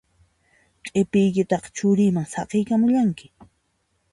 Q'ipiykitaqa churiyman saqiyakamullanki